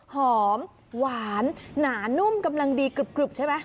หอมหวานหนานุ่มกำลังดีกรึบใช่ไหม